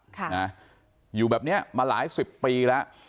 ค่ะนะอยู่แบบเนี้ยมาหลายสิบปีแล้ว